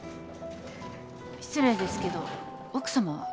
失礼ですけど奥さまは？